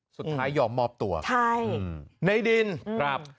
สุดท้ายยอมมอบตัวในดินใช่